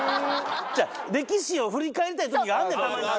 歴史を振り返りたい時があんねんたまに。